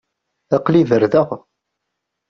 Aql-i berdaɣ.